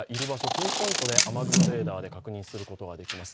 ピンポイントで雨雲レーダーで確認することができます。